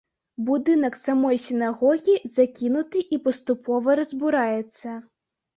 Будынак самой сінагогі закінуты і паступова разбураецца.